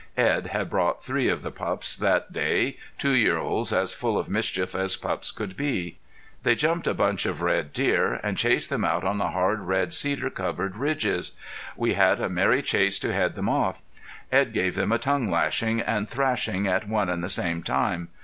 Edd had brought three of the pups that day, two year olds as full of mischief as pups could be. They jumped a bunch of deer and chased them out on the hard red cedar covered ridges. We had a merry chase to head them off. Edd gave them a tongue lashing and thrashing at one and the same time.